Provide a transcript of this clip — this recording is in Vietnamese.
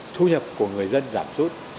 thu nhập của người dân giảm suất